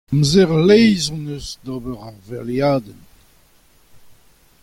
Amzer a-leizh hon eus d'ober ur valeadenn.